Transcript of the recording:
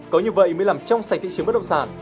có như vậy mới làm trong sạch thị trường bất động sản